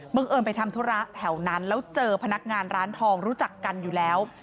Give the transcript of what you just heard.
เอิญไปทำธุระแถวนั้นแล้วเจอพนักงานร้านทองรู้จักกันอยู่แล้ว